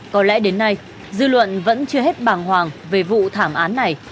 có lẽ đến nay dư luận vẫn chưa hết bàng hoàng về vụ thảm án này